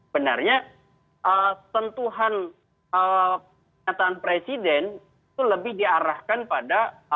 benarnya tentuhan kenyataan presiden itu lebih diarahkan pada